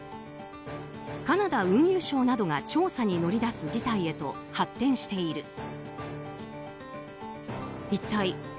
カナダ運輸省などが調査に乗り出す事態へと発展している。